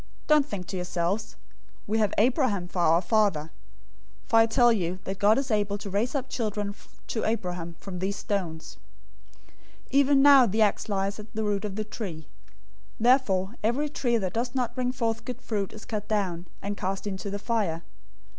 003:009 Don't think to yourselves, 'We have Abraham for our father,' for I tell you that God is able to raise up children to Abraham from these stones. 003:010 "Even now the axe lies at the root of the trees. Therefore, every tree that doesn't bring forth good fruit is cut down, and cast into the fire.